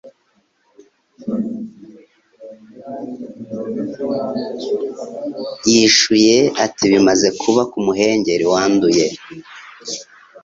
Yishuye ati Bimaze kuba ku muhengeri wanduye